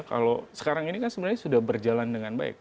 kalau sekarang ini kan sebenarnya sudah berjalan dengan baik